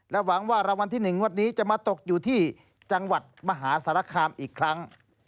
หวังว่ารางวัลที่๑งวดนี้จะมาตกอยู่ที่จังหวัดมหาสารคามอีกครั้ง